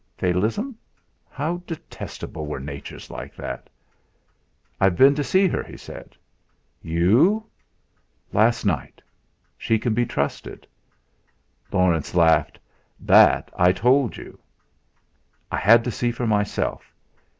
Fatalism! How detestable were natures like that! "I've been to see her," he said. "You?" "Last night. She can be trusted." Laurence laughed. "That I told you." "I had to see for myself.